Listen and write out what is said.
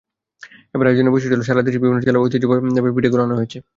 এবার আয়োজনের বৈশিষ্ট্য হলো, সারা দেশের বিভিন্ন জেলার ঐতিহ্যবাহী পিঠাগুলো আনা হয়েছে।